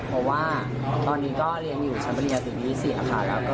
เพราะว่าตอนนี้เรียนอยู่ชมตรงนี้สิทธิ์ค่ะ